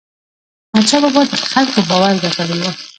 احمدشاه بابا د خلکو باور ګټلی و.